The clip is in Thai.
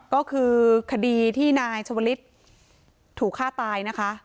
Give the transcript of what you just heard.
ก็คือคดีที่นายชวลิศถูกฆ่าตายนะคะ